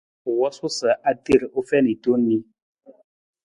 U wosuu sa a ter u fiin tong ni.